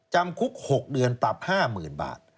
จำคุก๖เดือนปรับ๕๐๐๐บาท